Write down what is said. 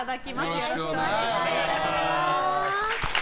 よろしくお願いします。